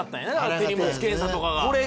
手荷物検査とかが。